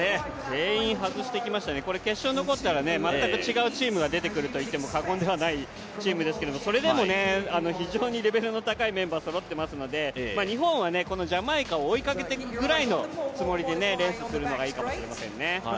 全員外してきましたね、決勝に残ったら全員違うメンバーが出てくるといっても過言ではないチームですけどそれでも非常にレベルの高いメンバーそろってますので日本はこのジャマイカを追いかけていくくらいのつもりでいけばいいですね。